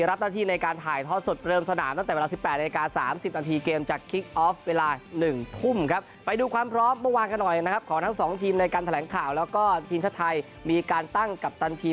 รับตั้งที่ในการถ่ายทอดสดเริ่มสถานะตั้งแต่เวลาสิบแปดนาฬิกาสามสิบอันที